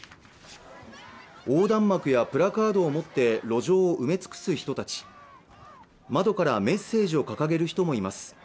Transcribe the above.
横断幕やプラカードを持って路上を埋め尽くす人たち窓からメッセージを掲げる人もいます